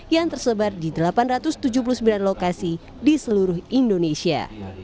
yang tersebar di delapan ratus tujuh puluh sembilan lokasi di seluruh indonesia